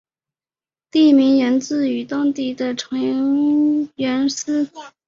地名源自于当地的长延寺。